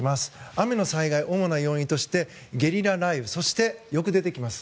雨の災害、主な要因としてゲリラ雷雨そしてよく出てきます